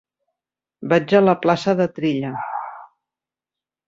Vaig a la plaça de Trilla.